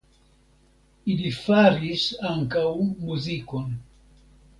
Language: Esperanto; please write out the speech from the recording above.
Ili faris ankaŭ muzikon.